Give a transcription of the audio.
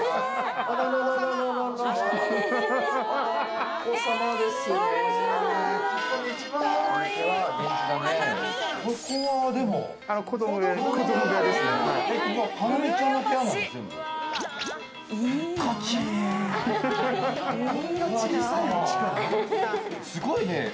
すごいね。